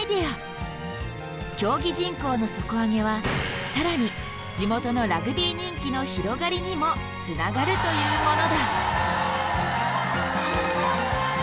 競技人口の底上げは更に地元のラグビー人気の広がりにもつながるというものだ。